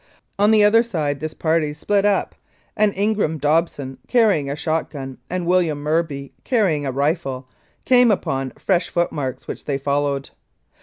On the other side this party split up, and Ingram Dobson, carrying a shot gun, and William Murby, carrying a rifle, came upon fresh foot marks, which they followed.